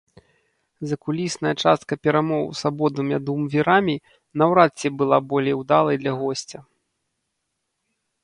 Закулісная частка перамоў з абодвума дуумвірамі наўрад ці была болей удалай для госця.